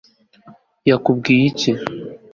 yakubwiye iki